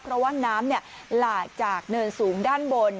เพราะว่าน้ำหลากจากเนินสูงด้านบน